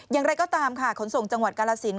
อย่างไรก็ตามค่ะขนส่งจังหวัดกาลสิน